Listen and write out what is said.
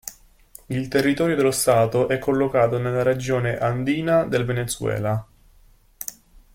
Il territorio dello stato è collocato nella regione andina del Venezuela.